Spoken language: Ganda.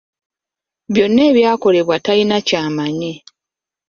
Byonna ebyakolebwa talina ky'amanyi.